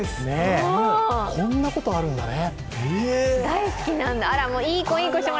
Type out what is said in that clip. こんなことあるんだね。